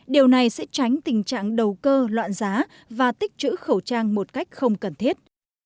điều này sẽ tránh tình trạng đầu cơ loạn giá và tích chữ khẩu trang một cách không cần thiết